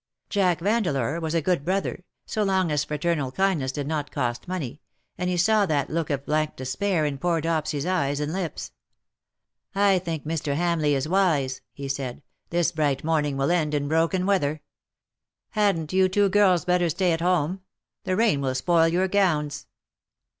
Jack Vandeleur was a good brother — so long as fraternal kindness did not cost money — and he saw that look of blank despair in poor Dopsy^s eyes and lips. " I think Mr. Hamleigh is wise/^ he said. " This bright morning will end in broken weather. Hadn^t you two girls better stay at home ? The rain will spoil your gowns.